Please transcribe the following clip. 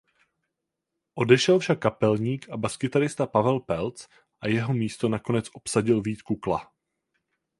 Odešel však kapelník a baskytarista Pavel Pelc a jeho místo nakonec obsadil Vít Kukla.